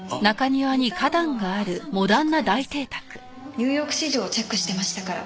ニューヨーク市場をチェックしてましたから。